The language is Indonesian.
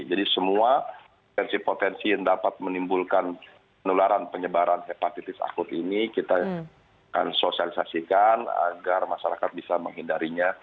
jadi semua potensi potensi yang dapat menimbulkan penularan penyebaran hepatitis akut ini kita akan sosialisasikan agar masyarakat bisa menghindarinya